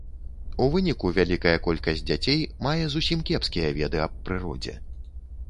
У выніку вялікая колькасць дзяцей мае зусім кепскія веды аб прыродзе.